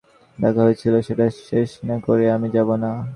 যে কাজের জন্য আমাকে এখানে ডাকা হয়েছিল সেটা শেষ না করে আমি যাবো না।